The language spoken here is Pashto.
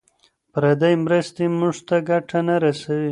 پردۍ مرستې موږ ته ګټه نه رسوي.